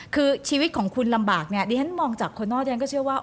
คือชีวิตของคุณลำบากเนี่ยดิฉันมองจากคนนอกเรียนก็เชื่อว่า